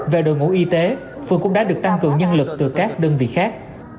về đội ngũ y tế phường cũng đã được tăng cường nhân lực từ các đơn vị khác